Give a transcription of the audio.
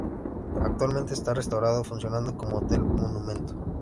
Actualmente está restaurado, funcionando como hotel-monumento.